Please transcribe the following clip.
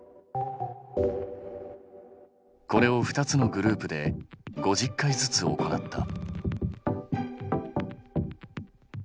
これを２つのグループで５０回ずつ行った。